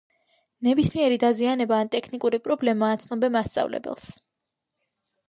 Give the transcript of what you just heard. ნებისმიერი დაზიანება ან ტექნიკური პრობლემა აცნობე მასწავლებელს.